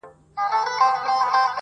o د درواغو مزل لنډ دئ!